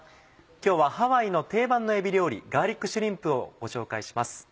今日はハワイの定番のえび料理「ガーリックシュリンプ」をご紹介します。